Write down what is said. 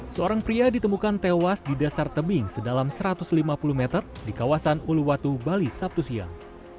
seorang pria ditemukan tewas di dasar tebing sedalam satu ratus lima puluh meter di kawasan uluwatu bali sabtu siang